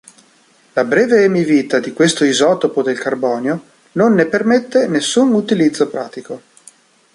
La breve emivita di questo isotopo del carbonio non ne permette nessun utilizzo pratico.